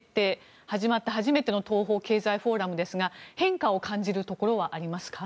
今年、ウクライナ全土への侵攻が始まって初めての東方経済フォーラムですが変化を感じるところはありますか？